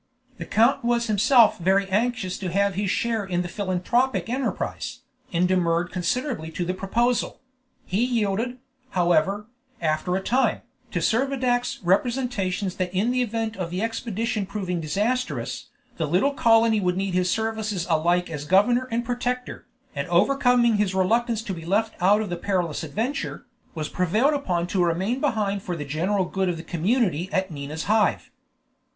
The count was himself very anxious to have his share in the philanthropic enterprise, and demurred considerably to the proposal; he yielded, however, after a time, to Servadac's representations that in the event of the expedition proving disastrous, the little colony would need his services alike as governor and protector, and overcoming his reluctance to be left out of the perilous adventure, was prevailed upon to remain behind for the general good of the community at Nina's Hive.